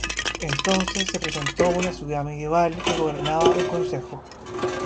Entonces se presentó una ciudad medieval que gobernaba un consejo.